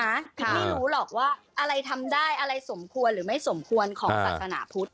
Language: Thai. คิดไม่รู้หรอกว่าอะไรทำได้อะไรสมควรหรือไม่สมควรของศาสนาพุทธ